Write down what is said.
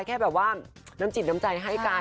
แค่แบบว่าน้ำจิตน้ำใจให้กัน